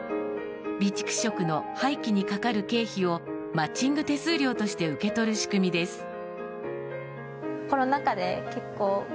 備蓄食の廃棄にかかる経費をマッチング手数料として受け取る仕組みです。